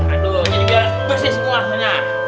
aduh ini juga bersih semuanya